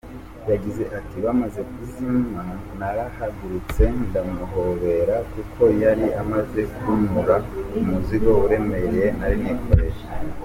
Yagize ati “bamaze kuzimpa, narahagurutse ndamuhobera, kuko yari amaze kuntura umuzigo uremereye nari nikoreye.